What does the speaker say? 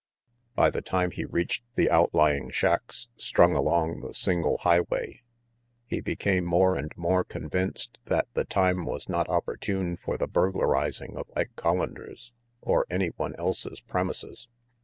By the time he reached the outlying shacks strung along the single highway, he became more and more convinced that the time was not RANGY PETE 168 opportune for the burglarizing of Ike Collander's or any one else's premises.